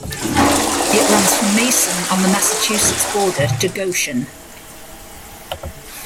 It runs from Mason on the Massachusetts border to Goshen.